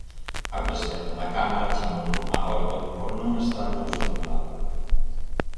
A presidenta da Cámara chamouno á orde por non estar no uso da palabra.